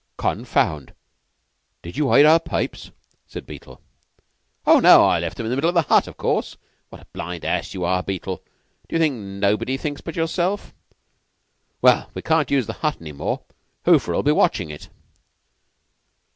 "Con found! Did you hide our pipes?" said Beetle. "Oh, no. Left 'em in the middle of the hut, of course. What a blind ass you are, Beetle! D'you think nobody thinks but yourself? Well, we can't use the hut any more. Hoofer will be watchin' it."